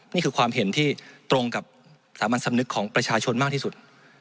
นี่คือความเห็นที่ตรงกับสามัญสำนึกของประชาชนมากที่สุด